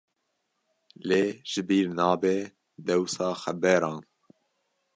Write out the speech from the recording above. Lê ji bîr nabe dewsa xeberan.